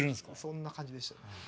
そんな感じでしたね。